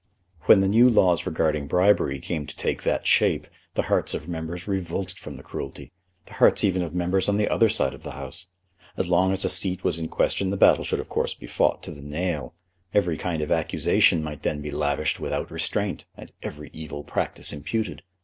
When the new laws regarding bribery came to take that shape the hearts of members revolted from the cruelty, the hearts even of members on the other side of the House. As long as a seat was in question the battle should of course be fought to the nail. Every kind of accusation might then be lavished without restraint, and every evil practice imputed.